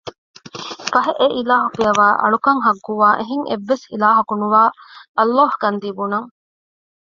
ފަހެ އެ އިލާހު ފިޔަވައި އަޅުކަން ޙައްޤުވާ އެހެން އެއްވެސް އިލާހަކު ނުވާ ﷲ ގަންދީ ބުނަން